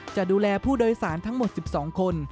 จะดูแลผู้โดยสารทั้งหมด๑๒คน